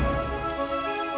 dia ikut riri